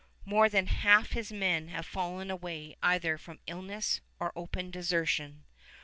More than half his men have fallen away either from illness or open desertion.